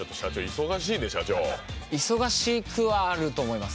忙しくはあると思います。